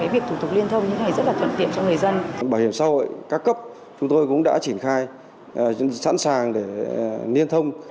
bảo hiểm xã hội các cấp chúng tôi cũng đã triển khai sẵn sàng để liên thông